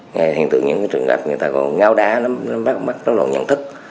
ngay hiện tượng những trường hợp người ta ngáo đá nó bắt mắt nó lộn nhận thức